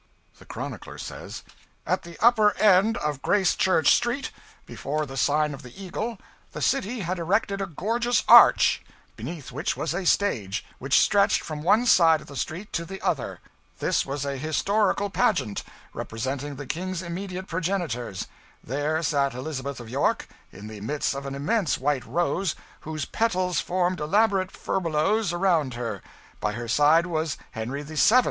The chronicler says, 'At the upper end of Gracechurch Street, before the sign of the Eagle, the city had erected a gorgeous arch, beneath which was a stage, which stretched from one side of the street to the other. This was an historical pageant, representing the King's immediate progenitors. There sat Elizabeth of York in the midst of an immense white rose, whose petals formed elaborate furbelows around her; by her side was Henry VII.